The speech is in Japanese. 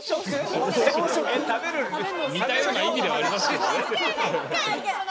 似たような意味ではありますけどね。